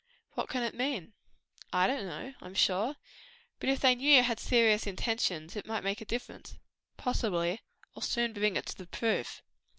What can it mean?" "I don't know, I'm sure. But if they knew you had serious intentions it might make a difference." "Possibly. I'll soon bring it to the proof."